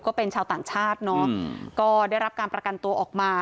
ก็เป็นชาวต่างชาติเนอะก็ได้รับการประกันตัวออกมา